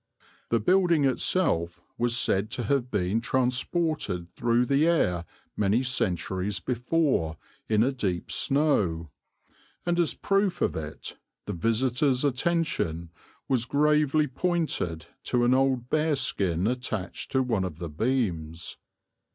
The building itself was said to have been transported through the air many centuries before, in a deep snow; and as a proof of it, the visitor's attention was gravely pointed to an old bearskin attached to one of the beams.